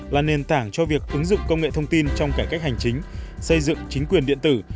là nền tảng cho việc ứng dụng công nghệ thông tin trong cải cách hành chính xây dựng chính quyền điện tử